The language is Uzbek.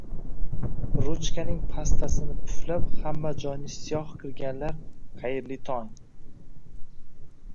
Ruchkaning pastasini puflab hamma joyni siyoh qilganlar, xayrli tong!